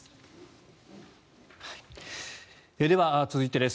では、続いてです。